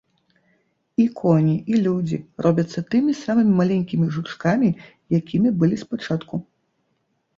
І коні, і людзі робяцца тымі самымі маленькімі жучкамі, якімі былі спачатку.